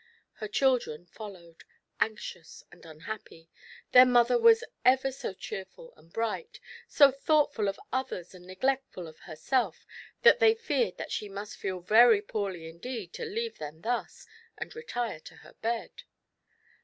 Her children followed, anxious and unhappy; their mother was ever so cheerful and bright, so thoughtful of others and neglectful of herself, that they feared that she must feel very poorly indeed to leave them thus, and retire to her bed.